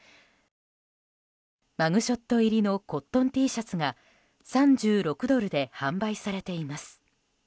マグショット入りのコットンＴシャツが３６ドルで販売されています。